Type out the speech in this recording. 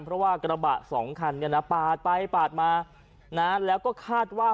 เพราะว่ากระบะสองคันเนี่ยนะปาดไปปาดมานะแล้วก็คาดว่า